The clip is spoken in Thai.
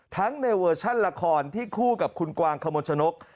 ในเวอร์ชันละครที่คู่กับคุณกวางขมวลชนก